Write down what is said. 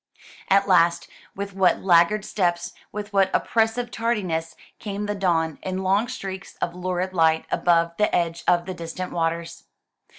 At last, with what laggard steps, with what oppressive tardiness, came the dawn, in long streaks of lurid light above the edge of the distant waters.